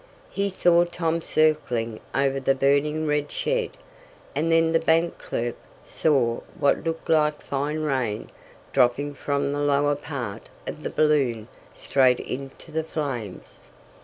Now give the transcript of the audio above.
He saw Tom circling over the burning red shed, and then the bank clerk saw what looked like fine rain dropping from the lower part of the balloon straight into the flames.